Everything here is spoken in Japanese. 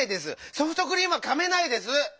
ソフトクリームはかめないです！